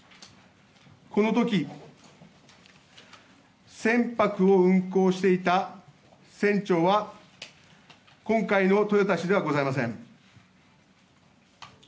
この時船舶を運航していた船長は今回の豊田氏ではございません。